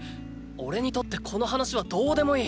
おれにとってこの話はどうでもいい。